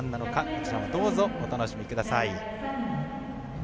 こちらもどうぞお楽しみください。